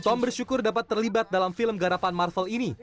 tom bersyukur dapat terlibat dalam film garapan marvel ini